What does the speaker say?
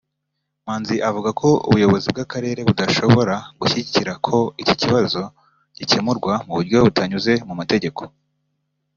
Manzi avuga ko ubuyobozi bw’akarere budashobora gushyigikira ko ikibazo gikemurwa mu buryo butanyuze mu mategeko